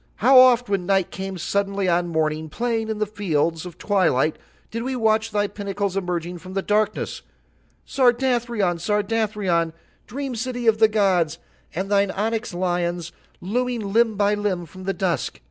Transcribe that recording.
"How oft when Night came suddenly on Morning playing in the fields of Twilight did we watch thy pinnacles emerging from the darkness, Sardathrion, Sardathrion, dream city of the gods, and thine onyx lions looming limb by limb from the dusk.